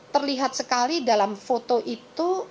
terlihat sekali dalam foto itu